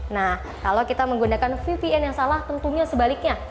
nah kalau kita menggunakan vpn yang salah tentunya sebaliknya